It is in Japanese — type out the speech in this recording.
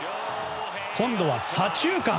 今度は左中間。